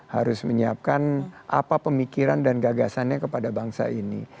harus menyiapkan apa pemikiran dan gagasannya kepada bangsa ini